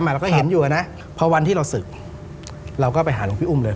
เราก็เห็นอยู่นะพอวันที่เราศึกเราก็ไปหาหลวงพี่อุ้มเลย